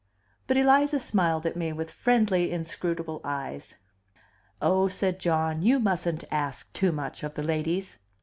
But Eliza smiled at me with friendly, inscrutable eyes. "Oh," said John, "you mustn't ask too much of the ladies.